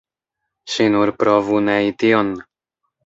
Ŝi nur provu nei tion!